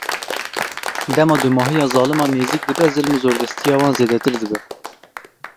Dema dûmahiya zaliman nêzik dibe, zilm û zordestiya wan zêdetir dibe.